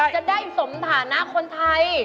จะได้สมฐานะคนไทย